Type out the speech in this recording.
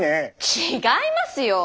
違いますよォ。